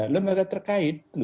lalu mereka terkait